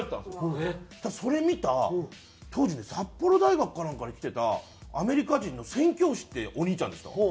そしたらそれ見た当時ね札幌大学かなんかに来てたアメリカ人の宣教師ってお兄ちゃんでした。